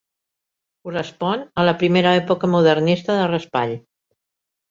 Correspon a la primera època modernista de Raspall.